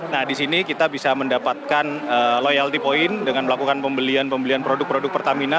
nah di sini kita bisa mendapatkan loyalty point dengan melakukan pembelian pembelian produk produk pertamina